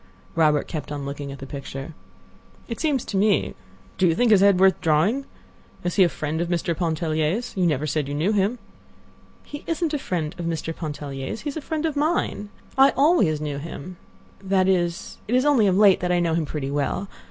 Robert kept on looking at the picture. "It seems to me—do you think his head worth drawing? Is he a friend of Mr. Pontellier's? You never said you knew him." "He isn't a friend of Mr. Pontellier's; he's a friend of mine. I always knew him—that is, it is only of late that I know him pretty well.